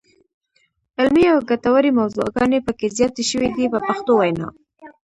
علمي او ګټورې موضوعګانې پکې زیاتې شوې دي په پښتو وینا.